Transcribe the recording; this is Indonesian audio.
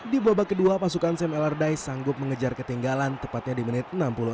di babak kedua pasukan sam alerdize sanggup mengejar ketinggalan tepatnya di menit enam puluh enam